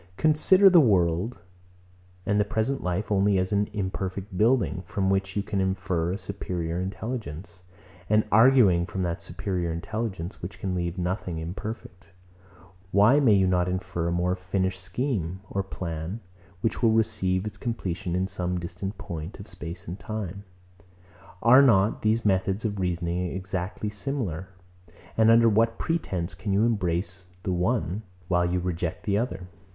Consider the world and the present life only as an imperfect building, from which you can infer a superior intelligence; and arguing from that superior intelligence, which can leave nothing imperfect; why may you not infer a more finished scheme or plan, which will receive its completion in some distant point of space or time? Are not these methods of reasoning exactly similar? And under what pretence can you embrace the one, while you reject the other?